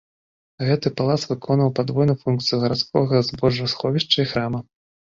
Гэты палац выконваў падвойную функцыю гарадскога збожжасховішча і храма.